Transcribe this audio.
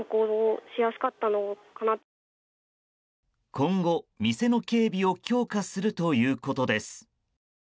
今後、店の警備を強化するということです。